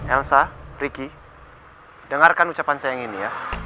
elsa ricky dengarkan ucapan saya yang ini ya